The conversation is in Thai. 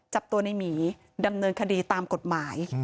จับตัวในหมีดำเนินคดีตามกฎหมาย